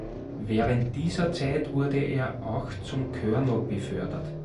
Während dieser Zeit wurde er auch zum Colonel befördert.